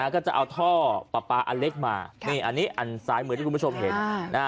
ก็จะเอาท่อปลาปลาอันเล็กมานี่อันนี้อันซ้ายมือที่คุณผู้ชมเห็น